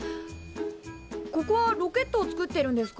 ここはロケットを作ってるんですか？